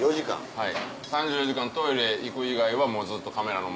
はい。